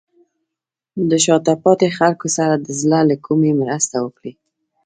د شاته پاتې خلکو سره د زړه له کومې مرسته وکړئ.